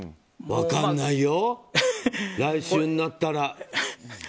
分かんないよ、来週になったら。